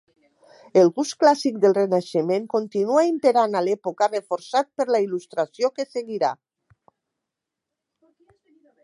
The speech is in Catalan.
El gust clàssic del renaixement continua imperant a l'època, reforçat per la Il·lustració que seguirà.